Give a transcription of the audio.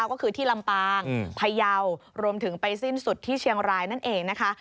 ก็คือที่ลำปางพยาวรวมถึงไปสิ้นสุดที่เชียงรายนั่นเองนะคะ